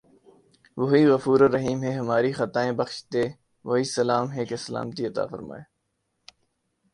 وہی غفورالرحیم ہے کہ ہماری خطائیں بخش دے وہی سلام ہے کہ سلامتی عطافرمائے